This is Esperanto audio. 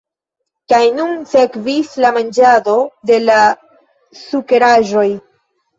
Kaj nun sekvis la manĝado de la sukeraĵoj.